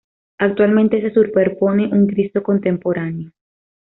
Actualmente se superpone un Cristo contemporáneo.